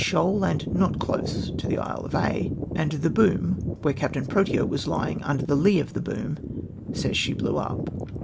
'^hoal, and not close to the lie of Aiv and the hooin, wliere Captain Protean, who was lying imder the lee of the boom, says she blew np.